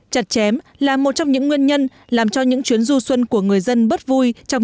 chặt chém là một trong những nguyên nhân làm cho những chuyến du xuân của người dân bớt vui trong